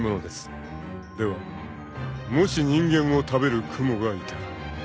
［ではもし人間を食べるクモがいたら］